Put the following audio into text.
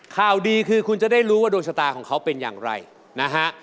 ข่าวดีคือคุณจะได้รู้ว่าดวงชะตาของเขาเป็นอย่างไรนะฮะ